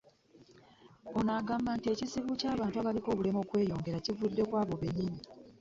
Ono agamba nti ekizibu ky'abantu abaliko obulemu okweyongera kivudde ku bo bennyini